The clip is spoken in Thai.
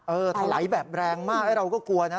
ถลายแบบแรงมากเราก็กลัวนะ